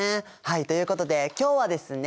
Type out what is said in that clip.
はいということで今日はですね